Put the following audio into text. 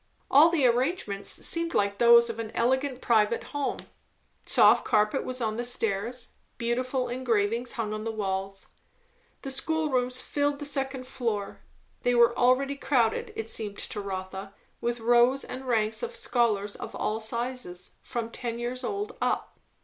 All the arrangements seemed like those of an elegant private home; soft carpet was on the stairs, beautiful engravings hung on the walls. The school rooms filled the second floor; they were already crowded, it seemed to Rotha, with rows and ranks of scholars of all sizes, from ten years old up.